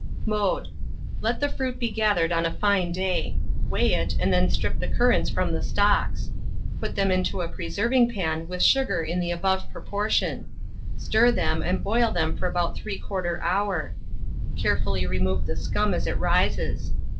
] Mode. Let the fruit be gathered on a fine day; weigh it, and then strip the currants from the stalks; put them into a preserving pan with sugar in the above proportion; stir them, and boil them for about 3/4 hour. Carefully remove the scum as it rises.